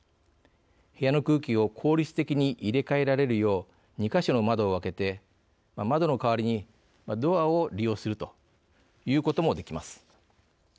部屋の空気を効率的に入れ替えられるよう２か所の窓を開けて窓の代わりにドアを利用するということもできます。